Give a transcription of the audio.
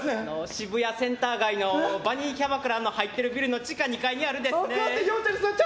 渋谷センター街のバニーキャバクラが入ってるビルの地下２階にあるんです。